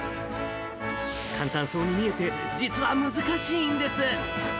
簡単そうに見えて、実は難しいんです。